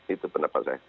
itu pendapat saya